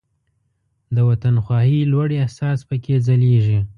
د وطن خواهۍ لوړ احساس پکې ځلیږي.